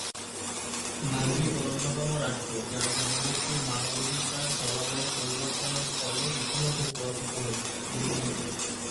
মালদ্বীপ অন্যতম রাষ্ট্র, যার জনগোষ্ঠীর মানবাধিকার জলবায়ু পরিবর্তনের ফলে ইতিমধ্যে প্রভাবিত হয়েছে।